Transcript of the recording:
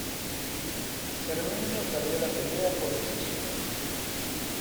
Cermeño perdió la pelea por decisión.